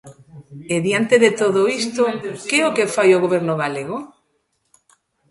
E diante de todo isto, ¿que é o que fai o Goberno galego?